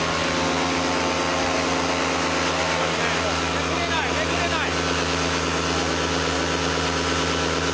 めくれないめくれない。